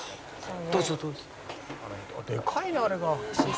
「でかいねあれが」